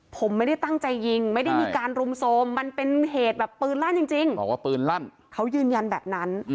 ผมไม่ได้ตั้งใจยิงไม่ได้มีการรุมโทรมมันเป็นเหตุแบบปืนลั่นจริงบอกว่าปืนลั่นเขายืนยันแบบนั้น